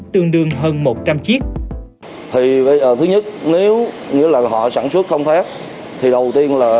tương đương hơn một trăm linh chiếc